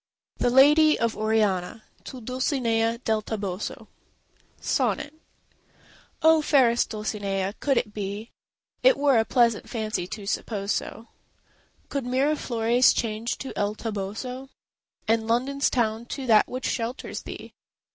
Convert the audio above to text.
THE LADY OF ORIANA To Dulcinea del Toboso SONNET Oh, fairest Dulcinea, could it be! It were a pleasant fancy to suppose so— Could Miraflores change to El Toboso, And London's town to that which shelters thee!